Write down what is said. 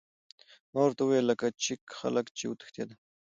ما ورته وویل: لکه د چیک خلک، چې وتښتېدل.